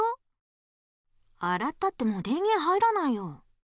あらったってもう電げん入らないよ。